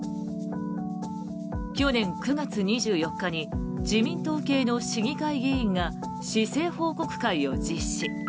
去年９月２４日に自民党系の市議会議員が市政報告会を実施。